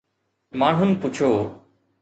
ماڻهن پڇيو